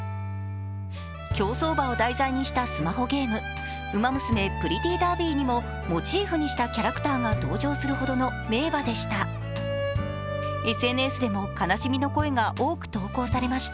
競走馬を題材にしたスマホゲーム、「ウマ娘プリティーダービー」にもモチーフにしたキャラクターが登場するほどの名馬でした。